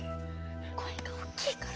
声が大きいから！